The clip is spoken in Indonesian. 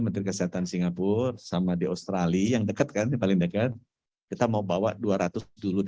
kembali ke singapura ke australia yang dekat kan kita mau bawa dua ratus dulu